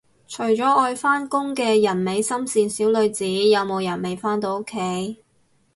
除咗愛返工嘅人美心善小女子，有冇人未返到屋企